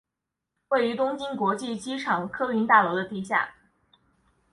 位于东京国际机场客运大楼的地下。